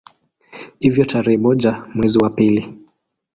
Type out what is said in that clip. Hivyo tarehe moja mwezi wa pili